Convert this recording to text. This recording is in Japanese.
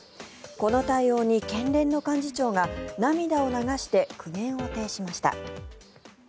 この対応に県連の幹事長が涙を流して苦言を呈しました。